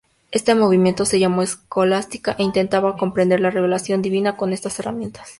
Este movimiento se llamó Escolástica e intentaba comprender la revelación divina con estas herramientas.